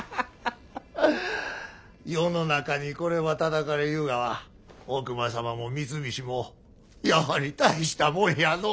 世の中にこればあたたかれゆうがは大隈様も三菱もやはり大したもんやのう。